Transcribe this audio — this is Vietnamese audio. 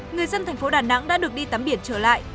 người dân tp đà nẵng đã được đi tắm biển trở lại